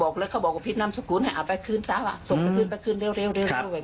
บอกเลยเขาบอกว่าผิดนามสกุลเนี่ยอ่ะไปคืนซ้าว่ะส่งไปคืนไปคืนเร็วเร็วเร็วเร็ว